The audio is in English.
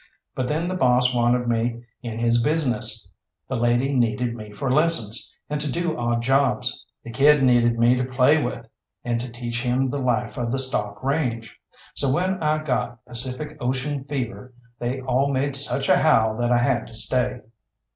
But then the boss wanted me in his business, the lady needed me for lessons and to do odd jobs, the kid needed me to play with and to teach him the life of the stock range; so when I got "Pacific Ocean fever" they all made such a howl that I had to stay.